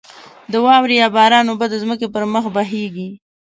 د واورې یا باران اوبه د ځمکې پر مخ بهېږې.